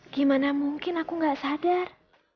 gimana mungkin aku gak sadar